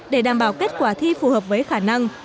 để đảm bảo kết quả thi phù hợp với khả năng